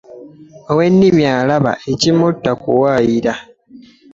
Ow'ennimi alaba , ekimutta kuwayira ,